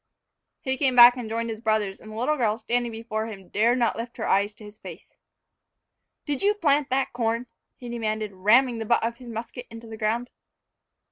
He came back and joined his brothers; and the little girl, standing before him, dared not lift her eyes to his face. "Did you plant that corn?" he demanded, ramming the butt of his musket into the ground.